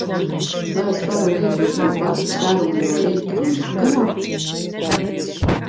Vai es varu lietot to pašu serumu no rīta un vakarā?